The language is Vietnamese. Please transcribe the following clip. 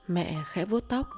mẹ khẽ vuốt tóc